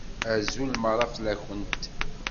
Azul meṛṛa fell-akent!